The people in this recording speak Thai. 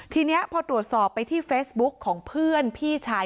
ทีนี้พอตรวจสอบไปที่เฟซบุ๊กของเพื่อนพี่ชาย